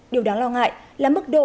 điều đáng lo ngại là mức độ